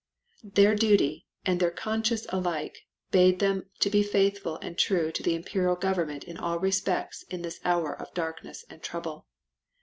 "Their duty and their conscience alike bade them be faithful and true to the Imperial Government in all respects in this hour of darkness and trouble.